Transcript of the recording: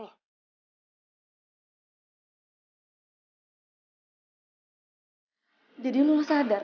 lo tuh seneng banget ya bikin gue merasa bersalah sama lo